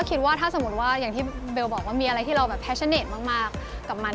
ก็ถ้ามีอะไรที่มั่นใจมากกับมัน